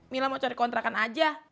mila mau cari kontrakan aja